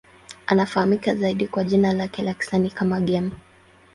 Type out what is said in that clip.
Anafahamika zaidi kwa jina lake la kisanii kama Game.